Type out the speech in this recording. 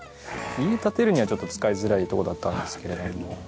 家建てるにはちょっと使いづらいとこだったんですけれども。